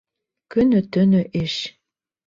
Көнө-төнө эш!